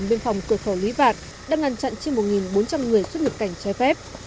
đồng bộ biên phòng cửa khẩu lý vạn đang ngăn chặn trên một bốn trăm linh người xuất nhập cảnh trái phép